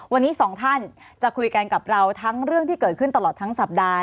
วันนี้สองท่านจะคุยกันกับเราทั้งเรื่องที่เกิดขึ้นตลอดทั้งสัปดาห์